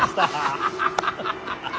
アハハハハハハ！